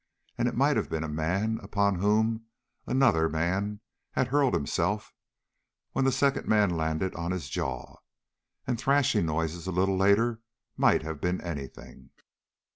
And it might have been a man upon whom another man had hurled himself, when the second man landed on his jaw. And thrashing noises a little later might have been anything.